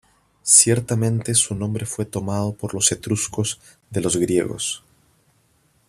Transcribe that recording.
Ciertamente, su nombre fue tomado por los etruscos de los griegos.